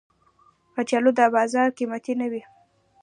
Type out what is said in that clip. کچالو د بازار قېمتي نه وي